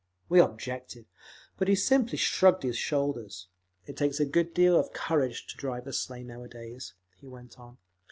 _ We objected, but he simply shrugged his shoulders. "It takes a good deal of courage to drive a sleigh nowadays," he went on.